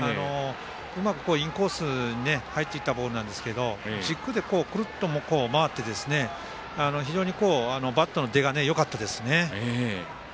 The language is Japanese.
うまくインコースに入っていったボールなんですけど軸でくるっと回って非常にバットの出がよかったですね。